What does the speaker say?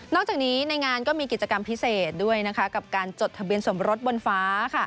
จากนี้ในงานก็มีกิจกรรมพิเศษด้วยกับการจดทะเบียนสมรสบนฟ้า